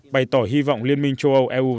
bày tỏ hy vọng liên minh châu âu eu